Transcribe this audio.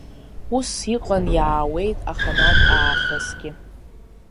Ус иҟан иаауеит аханатә аахысгьы.